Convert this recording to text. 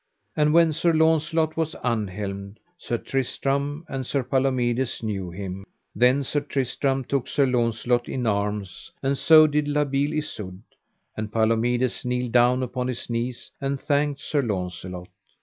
And when Sir Launcelot was unhelmed, Sir Tristram and Sir Palomides knew him. Then Sir Tristram took Sir Launcelot in arms, and so did La Beale Isoud; and Palomides kneeled down upon his knees and thanked Sir Launcelot.